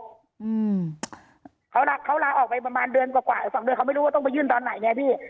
อืมเขาลาออกไปประมาณเดือนกว่ากว่าสองเดือนเขาไม่รู้ว่าต้องไปยื่นตอนไหนไงพี่